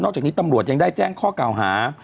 จากนี้ตำรวจยังได้แจ้งข้อกล่าวหา